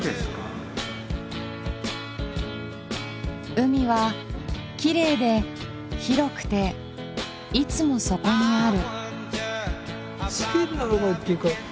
海はきれいで広くていつもそこにある。